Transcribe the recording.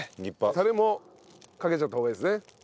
タレもかけちゃった方がいいですね。